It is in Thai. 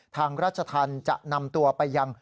ราชธรรมจะนำตัวไปยัง